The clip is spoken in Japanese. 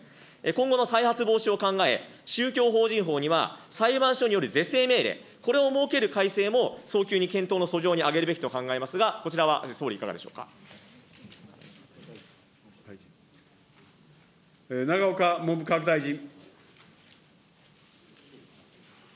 今後の再発防止を考え、宗教法人法には、裁判所による是正命令、これを設ける改正も早急に検討のそ上にあげるべきと考えますが、永岡文部科学大臣。